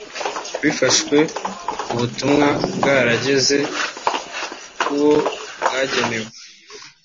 bifashwe ubutumwa bwarageze kuwo bwagenewe